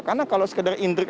karena kalau sekedar indrik